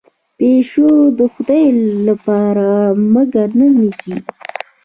پیشو د خدای لپاره موږک نه نیسي.